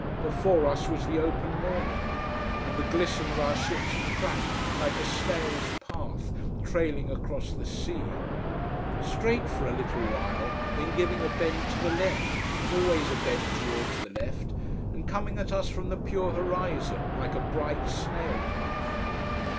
Before us was the open morning and the glisten of our ship's track, like a snail's path, trailing across the sea: straight for a little while, then giving a bend to the left, always a bend towards the left: and coming at us from the pure horizon, like a bright snail path.